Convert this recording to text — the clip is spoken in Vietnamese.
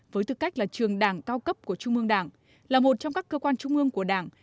với tư cách là trường đảng cao cấp của trung ương đảng là một trong các cơ quan trung ương của đảng